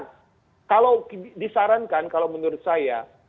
dan kalau disarankan kalau menurut saya